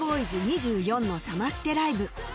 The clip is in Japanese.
２４のサマステライブ